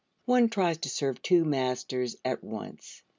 One tries to serve two masters at once.